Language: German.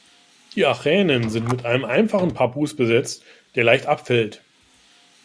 Die Achänen sind mit einem einfachen Pappus besetzt, der leicht abfällt.